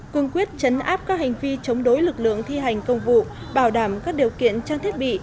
cương quyết chấn áp các hành vi chống đối lực lượng thi hành công vụ bảo đảm các điều kiện trang thiết bị